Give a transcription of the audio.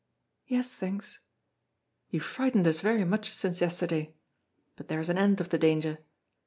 "Yes, thanks." "You frightened us very much since yesterday. But there is an end of the danger!